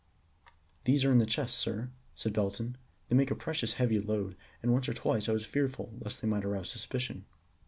"They are in these chests, sir," said Belton. "They make a precious heavy load, and once or twice I was fearful lest they might arouse suspicion."